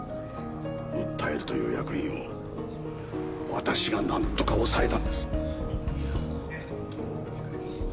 訴えると言う役員をわたしが何とか抑えたんです。